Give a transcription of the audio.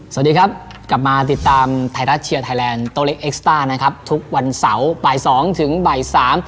สวัสดีครับกลับมาติดตามไทยรัฐเชียร์ไทยแลนด์โตเล็กเอ็กซ์ต้านะครับทุกวันเสาร์บ่ายสองถึงบ่ายสาม